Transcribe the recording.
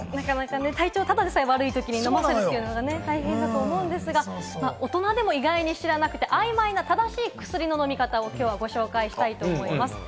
体調がただでさえ悪いときに飲ませるの大変だと思うんですが、大人でも意外に知らなくて、正しい薬の飲み方をご紹介したいと思います。